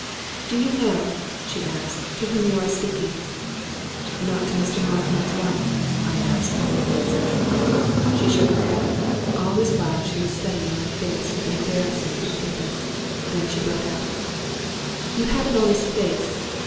" Do you know," she asked, " to whom you are speak ing?" "Not to Mr. Northmour's wife?" I asked, by way of answer. She shook her head. All this while she was studying my face with an embarrassing intentness. Then she broke out —" You have an honest face.